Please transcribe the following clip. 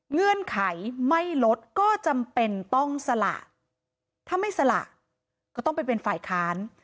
เงื่อนไขไม่ลดก็จำเป็นต้องสละถ้าไม่สละก็ต้องไปเป็นฝ่ายค้าน